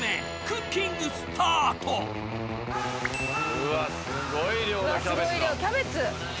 うわっすごい量のキャベツだ。